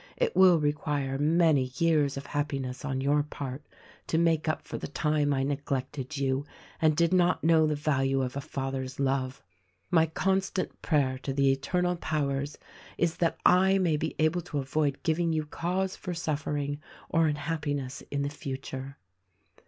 It will require many years of happiness on your part to make up for the time I neglected you and did not know the value of a father's love. My constant prayer to the Eternal powers is that I may be able to avoid giving you cause for suffering or unhap piness in the future.